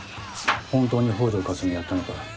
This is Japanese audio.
本当に北條かすみをやったのか？